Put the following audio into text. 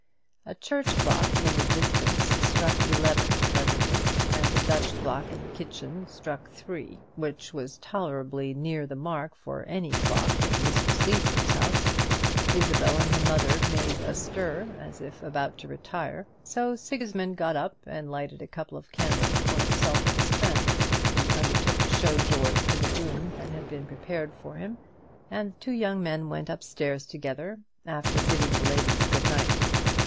A church clock in the distance struck eleven presently, and a Dutch clock in the kitchen struck three, which was tolerably near the mark for any clock in Mr. Sleaford's house. Isabel and her mother made a stir, as if about to retire; so Sigismund got up, and lighted a couple of candles for himself and his friend. He undertook to show George to the room that had been prepared for him, and the two young men went up stairs together, after bidding the ladies good night.